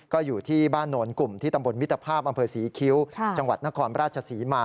ก็อยู่ที่บ้านโนนกลุ่มที่ตำบลมิตรภาพอำเภอศรีคิ้วจังหวัดนครราชศรีมา